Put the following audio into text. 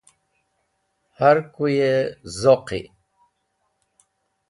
Har kuyẽ zoqi.